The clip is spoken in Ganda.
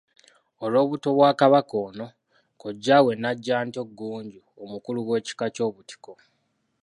Olw'obuto bwa Kabaka ono, kojjaawe Najjantyo Ggunju, omukulu w'ekika ky'obutiko.